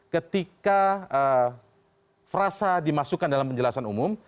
ketika frasa dimasukkan dalam penjelasan umum